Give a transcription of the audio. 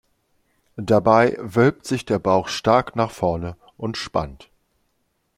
Dabei wölbt sich der Bauch stark nach vorne und spannt.